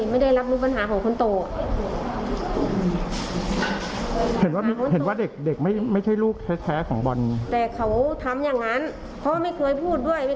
มันน่าจะผสมกันพอดีอย่างนี้